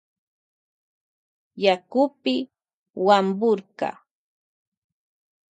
Yakupi wapurka.